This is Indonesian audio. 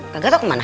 gagal tau ke mana